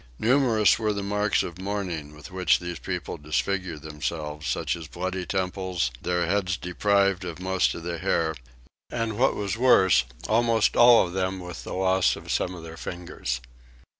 Numerous were the marks of mourning with which these people disfigure themselves, such as bloody temples, their heads deprived of most of the hair, and what was worse almost all of them with the loss of some of their fingers.